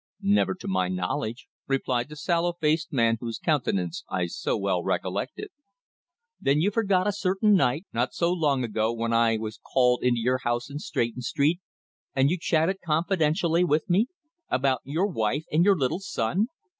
"Never to my knowledge," replied the sallow faced man whose countenance I so well recollected. "Then you forget a certain night not so long ago when I was called into your house in Stretton Street, and you chatted confidentially with me about your wife and your little son?"